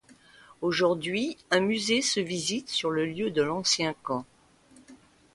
Aujourd'hui un musée se visite sur le lieu de l'ancien camp.